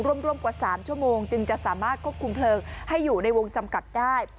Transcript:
ร่วมกว่า๓ชั่วโมงจึงจะสามารถควบคุมเพลิงให้อยู่ในวงจำกัดได้